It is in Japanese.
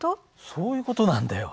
そういう事なんだよ。